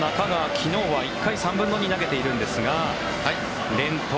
昨日は１回３分の２投げているんですが連投。